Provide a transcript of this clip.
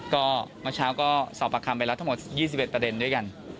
ก็เมื่อเช้าก็สอบประคำไปแล้วทั้งหมด๒๑ประเด็นด้วยกัน